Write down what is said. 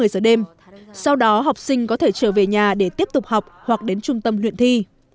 một mươi giờ đêm sau đó học sinh có thể trở về nhà để tiếp tục học hoặc đến trung tâm luyện thi